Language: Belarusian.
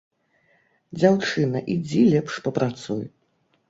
Дзяўчына, ідзі лепш папрацуй.